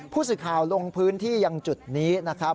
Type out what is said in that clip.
ผู้สื่อข่าวลงพื้นที่ยังจุดนี้นะครับ